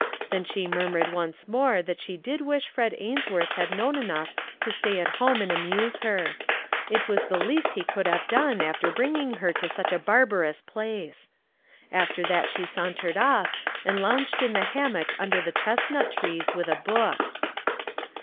Then she murmured once more that she did wish Fred Ains worth had known enough to stay at home and amuse her; it was the least he could have done after bringing her to such a barbarous 190 PEAS AND PICNICS place. After that she sauntered off and lounged in the hammock under the chestnut trees with a book.